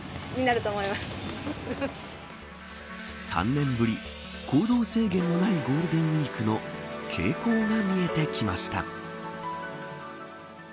３年ぶり、行動制限のないゴールデンウイークの傾向が見えてきました。